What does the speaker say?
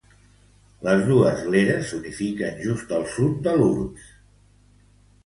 Les dos gleres s'unifiquen just al sud de l'urbs.